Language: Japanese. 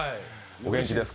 お元気ですか。